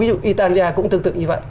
ví dụ italia cũng tương tự như vậy